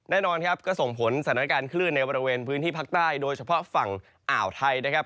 แน่นอนครับก็ส่งผลสถานการณ์คลื่นในบริเวณพื้นที่ภาคใต้โดยเฉพาะฝั่งอ่าวไทยนะครับ